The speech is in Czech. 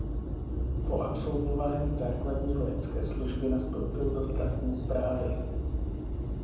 Po absolvování základní vojenské služby nastoupil do státní správy.